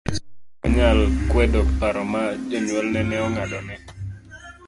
Nikech ne ok onyal kwedo paro ma jonyuolne ne ong'adone